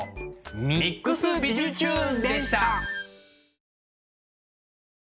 「ＭＩＸびじゅチューン！」でした。